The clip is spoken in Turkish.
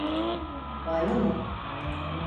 Banyo mu?